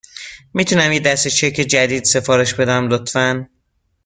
می تونم یک دسته چک جدید سفارش بدهم، لطفاً؟